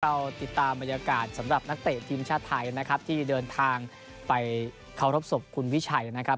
เราติดตามบรรยากาศสำหรับนักเตะทีมชาติไทยนะครับที่เดินทางไปเคารพศพคุณวิชัยนะครับ